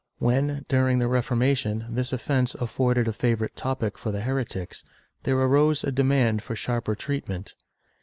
When, during the Reformation, this offence afforded a favorite topic for the heretics, there arose a demand for sharper treatment.